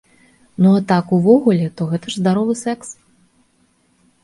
Ну а так увогуле, то гэта ж здаровы сэкс.